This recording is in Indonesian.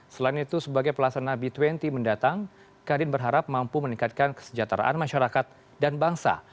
selain itu sebagai pelaksana b dua puluh mendatang kadin berharap mampu meningkatkan kesejahteraan masyarakat dan bangsa